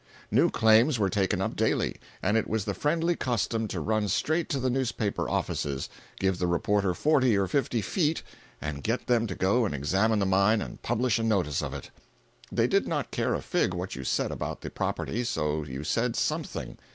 New claims were taken up daily, and it was the friendly custom to run straight to the newspaper offices, give the reporter forty or fifty "feet," and get them to go and examine the mine and publish a notice of it. They did not care a fig what you said about the property so you said something.